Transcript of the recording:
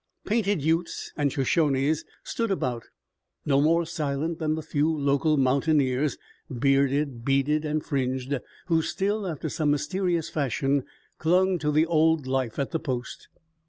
Painted Utes and Shoshones stood about, no more silent than the few local mountaineers, bearded, beaded and fringed, who still after some mysterious fashion clung to the old life at the post.